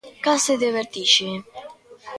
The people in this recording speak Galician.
Case de vertixe.